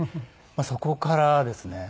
そこからですね。